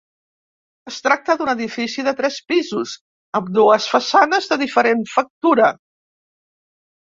Es tracta d'un edifici de tres pisos amb dues façanes de diferent factura.